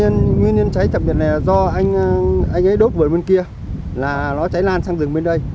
nguyên nhân cháy trạm điện này do anh ấy đốt vườn bên kia là nó cháy lan sang rừng bên đây